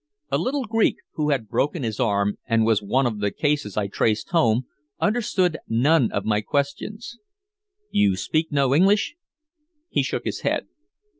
A little Greek, who had broken his arm and was one of the cases I traced home, understood none of my questions. "You speak no English?" He shook his head.